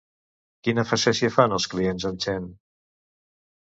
Quina facècia fan els clients amb Chen?